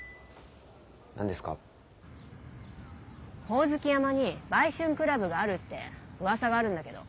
ホオズキ山に売春クラブがあるってうわさがあるんだけど。